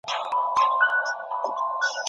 هغه نظام چي شفاف دی باور لري.